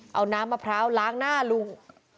เอาน้ำมะพร้าวล้างหน้าลุง